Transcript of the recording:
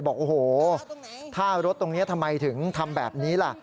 บอกโอ้โหถ้ารถตรงนี้ทำไมถึงทำแบบนี้ล่ะ